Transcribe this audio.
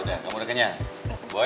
udah kamu udah kenyal boy